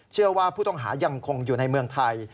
เชื่อว่าผู้ต้องหายังคงอยู่ในเมืองไทย